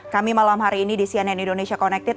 kami malam hari ini di cnn indonesia connected